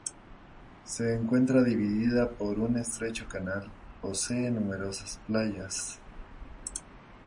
Se encuentra dividida por un estrecho canal, posee numerosas playas.